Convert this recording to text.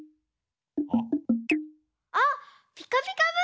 あっ「ピカピカブ！」